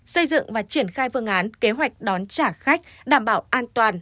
xây dựng và triển khai phương án kế hoạch đón trả khách đảm bảo an toàn